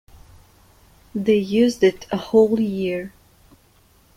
They used it a whole-year.